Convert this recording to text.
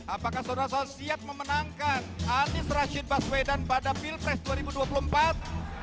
apakah saudara saudara siap memenangkan anies rashid baswedan pada pilpres dua ribu dua puluh empat